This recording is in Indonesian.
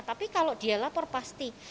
tapi kalau dia lapor pasti